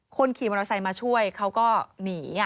คนขี่มอเตอร์ไซค์มาช่วยเขาก็หนี